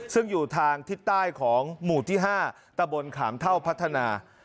ซึ่งอยู่ทางทิศใต้ของหมู่ที่๕ตะบนขามเท่าพัฒนา